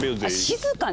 静かに！